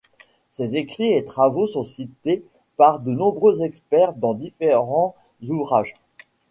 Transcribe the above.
Ses écrits et travaux sont cités par de nombreux experts dans différents ouvrages.